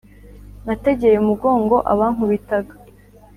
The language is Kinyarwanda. Nategeye umugongo abankubitaga